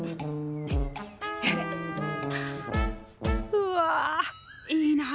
うわいいな！